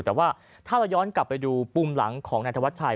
แต่ว่าถ้าเราย้อนกลับไปดูปุ่มหลังของนายธวัชชัย